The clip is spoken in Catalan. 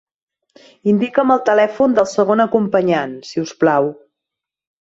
Indica'm el telèfon del segon acompanyant, si us plau.